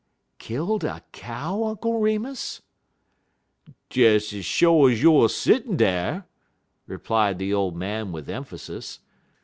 "Killed a cow, Uncle Remus?" "Des ez sho' ez youer settin' dar," replied the old man with emphasis.